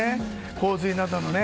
洪水などのね。